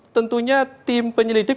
tentunya tim penyelidik